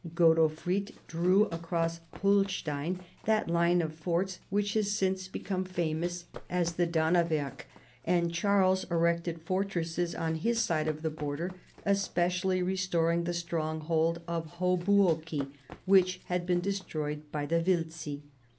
Godofrid drew across Ilolstein that line of forts which has since become famous as the Dannewerk, and Charles erected fortresses on his side of the border, especially restoring the strong hold of Hohbuoki which bad been destroj'ed by the Wiltzi.